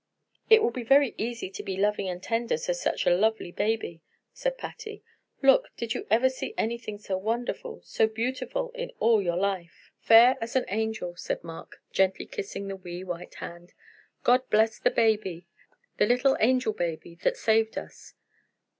"It will be very easy to be loving and tender to such a lovely baby," said Patty. "Look, did you ever see anything so wonderful, so beautiful, in all your life?" "Fair as an angel," said Mark, gently kissing the wee white hand. "God bless the baby, the little angel baby that saved us."